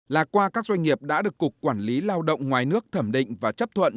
là qua các doanh nghiệp đã được cục quản lý lao động ngoài nước thẩm định và chấp thuận